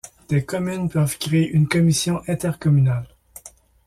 Des communes peuvent créer une commission intercommunale.